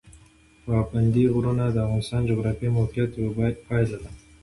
پابندي غرونه د افغانستان د جغرافیایي موقیعت یوه پایله ده.